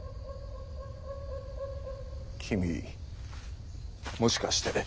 君もしかして。